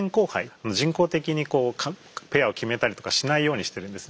人工的にこうペアを決めたりとかしないようにしてるんです。